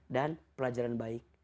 dan pelajaran baik